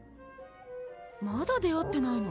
まだ出会ってないの？